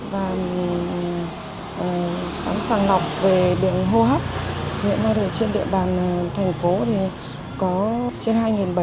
và khám sàng lọc về biện hô hấp hiện nay trên địa bàn thành phố có trên hai bảy trăm linh